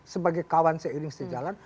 sebagai kawan seiring sejalan